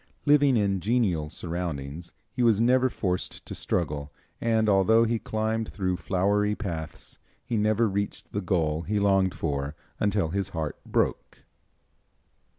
Living in genial surroundings, he was never forced to struggle, and although he climbed through flowery paths, he never reached the goal he longed for until his heart broke.